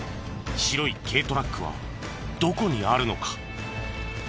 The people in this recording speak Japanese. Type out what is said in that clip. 白い軽トラックはどこにあるのか？